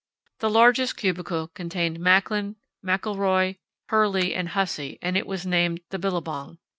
The largest cubicle contained Macklin, McIlroy, Hurley, and Hussey and it was named "The Billabong."